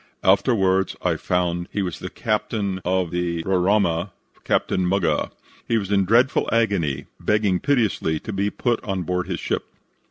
Afterwards I found he was the captain of the Roraima, Captain Muggah. He was in dreadful agony, begging piteously to be put on board his ship.